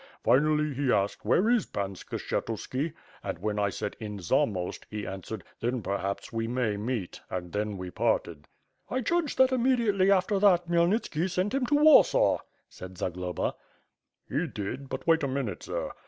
Finally, he asked 'Where is Pan Skshetuski?' and when I said, 4n Zamost,' he answered 'then perhaps we may meet' and then we parted." "I judge that immediately after that Khymelnitski sent him to Warsaw,^^ said Zagloba. "He did; but wait a minute, sir.